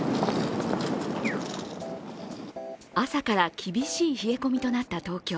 朝から厳しい冷え込みとなった東京。